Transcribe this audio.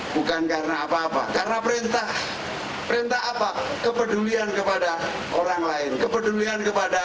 bukan karena apa apa karena perintah perintah apa kepedulian kepada orang lain kepedulian kepada